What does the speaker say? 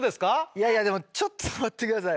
いやいやでもちょっと待って下さい。